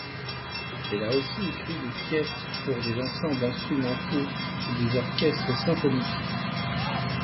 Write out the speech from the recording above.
Elle a aussi écrit des pièces pour des ensembles instrumentaux et des orchestres symphoniques.